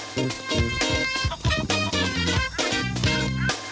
เกดอพริก